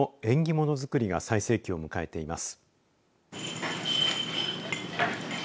物づくりが最盛期を迎えています。